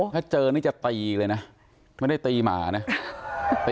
ถ้าเจอนี่จะตีเลยนะไม่ได้ตีหมานะ